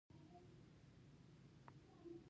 د ستورو زیرۍ یو خیالانګیز خوند لري.